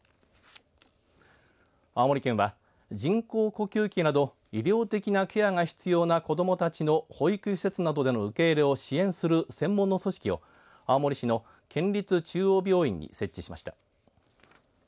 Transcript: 青森県は人工呼吸器など医療的なケアが必要な子どもたちの保育施設などでの受け入れを支援する専門の組織を青森市の県立中央病院に設置しました。